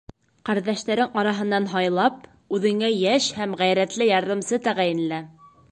— Ҡәрҙәштәрең араһынан һайлап, үҙеңә йәш һәм ғәйрәтле ярҙамсы тәғәйенлә.